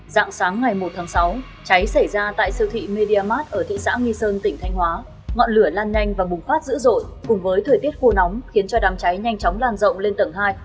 dạng sáng ngày một tháng sáu cháy xảy ra tại siêu thị media mart ở thị xã nghi sơn tỉnh thanh hóa ngọn lửa lan nhanh và bùng phát dữ dội cùng với thời tiết khô nóng khiến cho đám cháy nhanh chóng lan rộng lên tầng hai